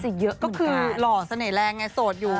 เขาเหมือนกันก็คือหล่อเสน่ห์แรงแหงสดอยู่